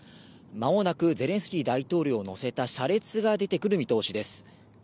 間もなくゼレンスキー大統領を乗せた車列が出てくる見通しです。